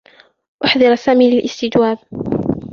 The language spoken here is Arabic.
أُحضر سامي للاستجواب.